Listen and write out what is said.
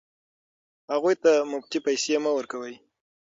هغوی ته مفتې پیسې مه ورکوئ.